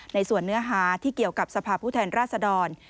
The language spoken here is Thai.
ในส่วนเนื้อหาที่เกี่ยวกับสภาพผู้แทนราษดร